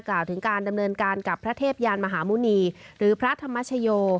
กล่าวถึงการดำเนินการกับพระเทพยานมหาหมุณีหรือพระธรรมชโย